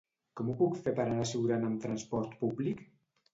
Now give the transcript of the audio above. Com ho puc fer per anar a Siurana amb trasport públic?